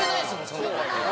そんなの。